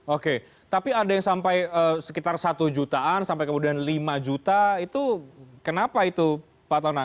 oke tapi ada yang sampai sekitar satu jutaan sampai kemudian lima juta itu kenapa itu pak tonang